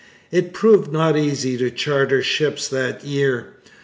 It proved not easy to charter ships that year.